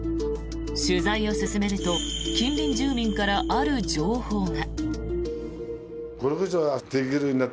取材を進めると近隣住民からある情報が。